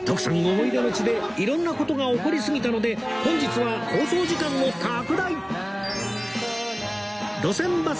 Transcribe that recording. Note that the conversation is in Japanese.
思い出の地で色んな事が起こりすぎたので本日は放送時間を拡大！